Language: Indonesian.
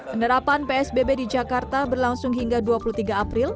penerapan psbb di jakarta berlangsung hingga dua puluh tiga april